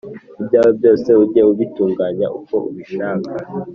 Ibyawe byose ujye ubitunganya uko ubishaka,